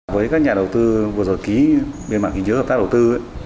với các nhà đầu tư vừa rồi ký bên mạng hình dưới hợp tác đầu tư